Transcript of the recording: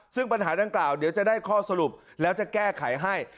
ซึ่งปัญหาดังกล่าวเดี๋ยวจะได้ข้อสรุปแล้วจะแก้ไขให้